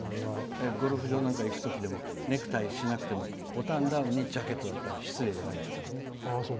ゴルフ場なんか行くときネクタイしなくてもボタンダウンでジャケットだったら失礼じゃないですからね。